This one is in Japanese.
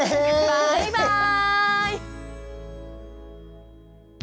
バイバーイ！